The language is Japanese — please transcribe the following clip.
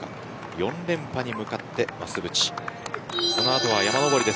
４連覇に向かって増渕です。